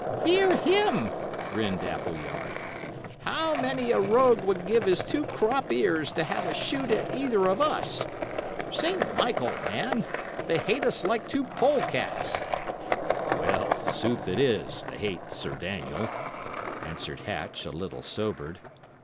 "Hear him!" grinned Appleyard. "How many a rogue would give his two crop ears to have a shoot at either of us? Saint Michael, man! they hate us like two polecats!" "Well, sooth it is, they hate Sir Daniel," answered Hatch, a little sobered.